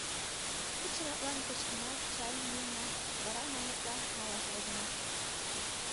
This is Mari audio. Куд шагатлан кочкына, чайым йӱына... вара, манметла, малаш возына...